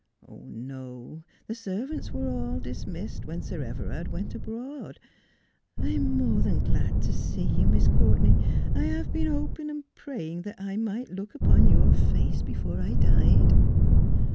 ' No, the servants were all dismissed when Sir Everard went abroad. I am more than glad to see you, Miss Courtenay. I have been hoping and praying that I might look upon your face before I died.'